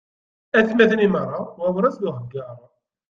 Atmaten imeṛṛa, wawras d uheggaṛ.